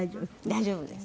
大丈夫です。